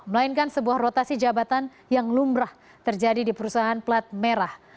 melainkan sebuah rotasi jabatan yang lumrah terjadi di perusahaan plat merah